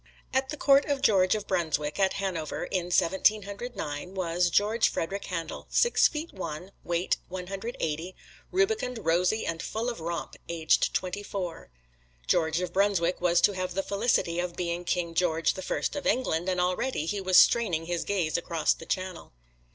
At the Court of George of Brunswick, at Hanover, in Seventeen Hundred Nine, was George Frederick Handel, six feet one, weight one hundred eighty, rubicund, rosy, and full of romp, aged twenty four. George of Brunswick was to have the felicity of being King George the First of England, and already he was straining his gaze across the Channel.